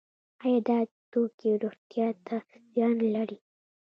آیا دا توکي روغتیا ته زیان لري؟